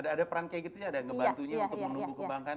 ada peran kayak gitu ya ada ngebantunya untuk menumbuh kebanggaan